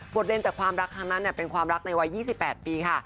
เรียนจากความรักครั้งนั้นเป็นความรักในวัย๒๘ปีค่ะ